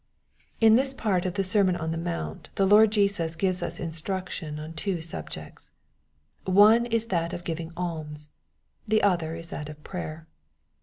In this part of the sermon on the mount the Lord Jesus gives us instruction on two subjects. One is that of giving alms. The other is that of prayer.